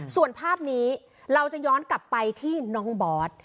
ส่วนภาพนี้เราจะย้อนกลับไปที่น้องบอส